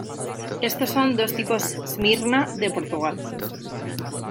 Estos son dos tipos smyrna de Portugal.